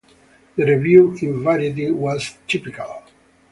The review in "Variety" was typical.